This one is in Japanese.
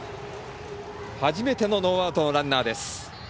初めてのノーアウトのランナー。